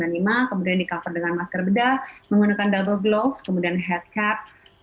n sembilan puluh lima kemudian di cover dengan masker bedah menggunakan double glove kemudian head cap